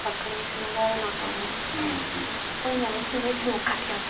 そういうのはいつもいつもかき集めて。